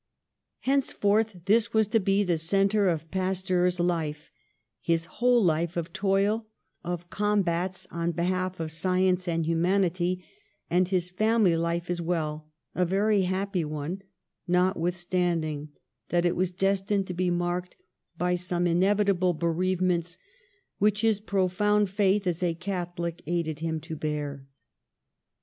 Henceforth this was to be the centre of Pas teur's life, his whole life of toil, of combats on behalf of science and humanity, and his family life as well, a very happy one, notwithstanding that it was destined to be marked by some in evitable bereavements which his profound faith as a Catholic aided him to bear.